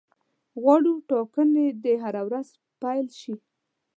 غواړو ټاکنې دي هره ورځ پیل شي.